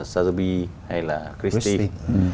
sazabi hay là christie